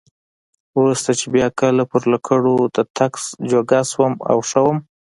وروسته چې بیا کله پر لکړو د تګ جوګه شوم او ښه وم.